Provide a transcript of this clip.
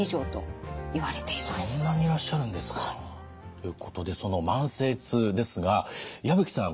ということでその慢性痛ですが矢吹さん